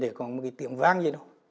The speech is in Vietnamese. để có một cái tiếng vang gì đâu